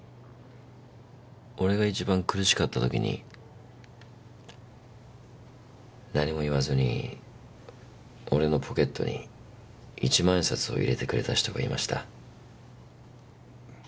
俺が一番苦しかったときに何も言わずに俺のポケットに一万円札を入れてくれた人がいました。